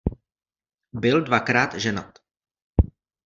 Byl dvakrát ženat.